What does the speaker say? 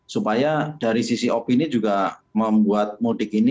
supaya dari sisi opini juga membuat mudik ini